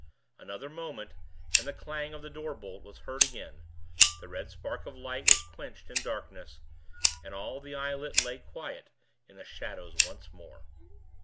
Another moment, and the clang of the door bolt was heard again, the red spark of light was quenched in darkness, and all the islet lay quiet in the shadows once more.